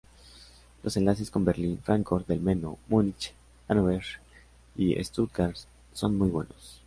Los enlaces con Berlín, Fráncfort del Meno, Múnich, Hanóver y Stuttgart son muy buenos.